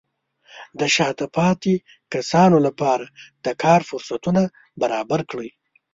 د شاته پاتې کسانو لپاره د کار فرصتونه برابر کړئ.